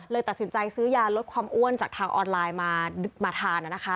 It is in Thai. ตัดสินใจซื้อยาลดความอ้วนจากทางออนไลน์มาทาน